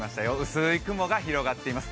薄い雲が広がっています。